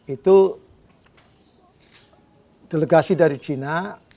itu delegasi dari china